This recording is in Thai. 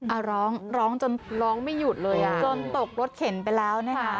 อ่ะร้องร้องจนร้องไม่หยุดเลยอ่ะจนตกรถเข็นไปแล้วนะคะ